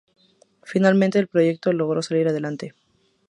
Finalmente el proyecto logró salir adelante.